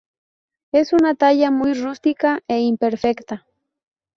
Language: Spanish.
Es una talla muy rústica e imperfecta.